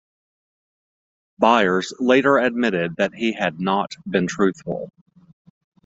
Byers later admitted that he had not been truthful.